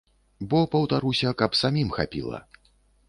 Бо, паўтаруся, каб самім хапіла.